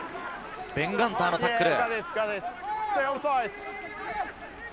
ベン・ガンターのタックル。